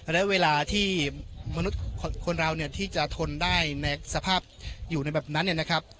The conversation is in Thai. และเวลาที่มนุษย์คนเราเนี่ยที่จะทนได้ในสภาพอยู่ในแบบนั้นเนี่ยนะครับ